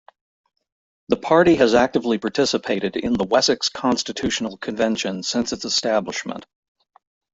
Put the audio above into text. The party has actively participated in the Wessex Constitutional Convention since its establishment.